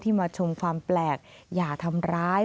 มาชมความแปลกอย่าทำร้าย